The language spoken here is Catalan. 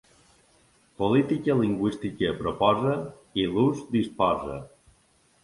Política lingüística proposa i l'ús disposa.